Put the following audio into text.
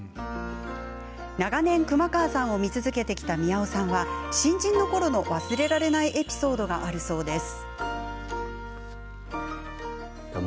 長年、熊川さんを見続けてきた宮尾さんは新人のころの忘れられないエピソードがあるそうです。